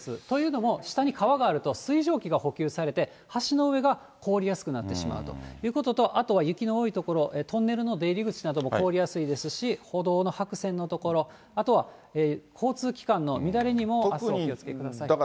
というのも、下に川があると、水蒸気が補給されて、橋の上が凍りやすくなってしまうということと、あとは雪の多い所、トンネルの出入り口なども凍りやすいですし、歩道の白線の所、あとは交通機関の乱れにもあす、お気をつけください。